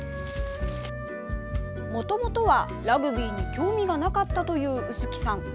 もともとはラグビーに興味がなかったという臼杵さん。